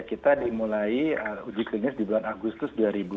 kita dimulai uji klinis di bulan agustus dua ribu dua puluh